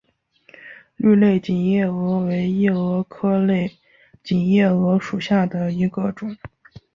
绿类锦夜蛾为夜蛾科类锦夜蛾属下的一个种。